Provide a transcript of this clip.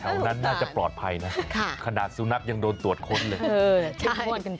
นั้นน่าจะปลอดภัยนะขนาดสุนัขยังโดนตรวจค้นเลย